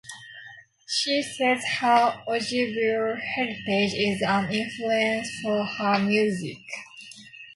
She says her Ojibwe heritage is an influence for her music.